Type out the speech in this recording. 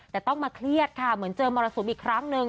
แต่ต้องมาเครียดค่ะเหมือนเจอมรสุมอีกครั้งหนึ่ง